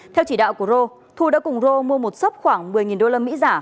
theo chỉ đạo của rô thu đã cùng rô mua một sốc khoảng một mươi usd giả